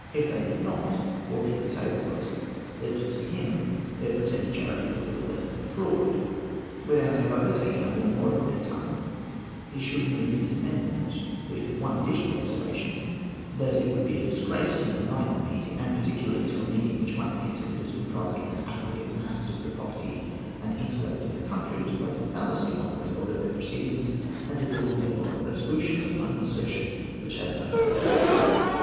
If they did not, all he could say was, that to him their pretended charity was little better than a fraud. Without, however, taking up more of their time, he should move his amendment, with this one additional observation, that it would be a disgrace to an enlightened meeting, and particularly to a meeting which might be considered as comprising an aggregate mass of the property and intellect of the country, to place a fallacy upon the record of their proceedings, and to build all their following resolutions upon an assertion which had no foundation in truth.